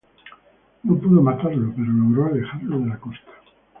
No pudo matarlo, pero logró alejarlo de la costa.